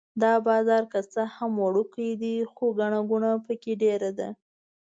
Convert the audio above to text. دا بازار که څه هم وړوکی دی خو ګڼه ګوڼه په کې ډېره ده.